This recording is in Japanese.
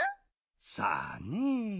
さあねえ。